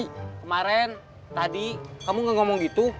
kemarin tadi kamu gak ngomong gitu